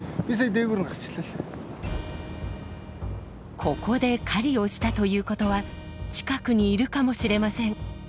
ここで狩りをしたということは近くにいるかもしれません。